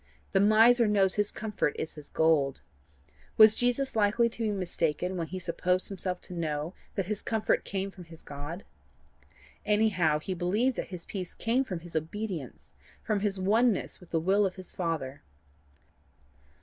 The miser knows his comfort is his gold. Was Jesus likely to be mistaken when he supposed himself to know that his comfort came from his God? Anyhow he believed that his peace came from his obedience from his oneness with the will of his Father.